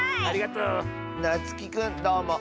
ありがとう。